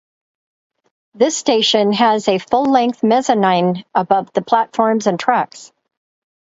This station has a full length mezzanine above the platforms and tracks.